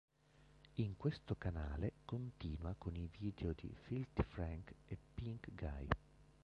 In questo canale continua con i video di Filthy Frank e Pink Guy.